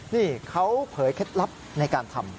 นี่เขาเผยเคล็ดลับในการทำ